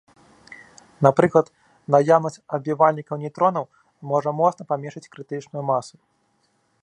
Напрыклад, наяўнасць адбівальнікаў нейтронаў можа моцна паменшыць крытычную масу.